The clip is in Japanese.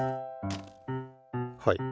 はい。